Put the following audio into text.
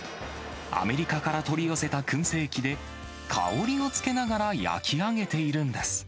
アメリカから取り寄せたくん製機で、香りをつけながら焼き上げているんです。